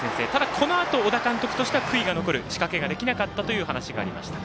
このあと、小田監督としては悔いが残る仕掛けができなかったという話がありました。